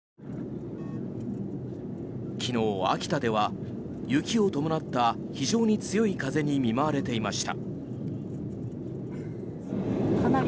昨日、秋田では雪を伴った非常に強い風に見舞われていました。